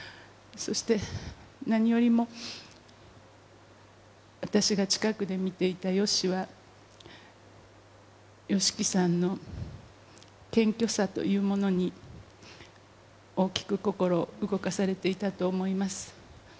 そして何よりも、私が近くで見ていたＹＯＳＨＩは、ＹＯＳＨＩＫＩさんの謙虚さというものに、大きく心を動かされていたと思います。